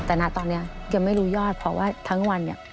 แต่นะตอนนี้ยังไม่รู้ยอดเพราะว่าทั้งวันเนี่ย